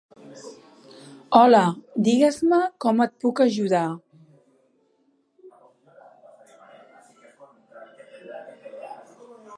Hola, digues-me com et puc ajudar.